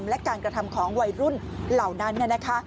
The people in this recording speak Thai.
หลวงพี่ใจดีจริง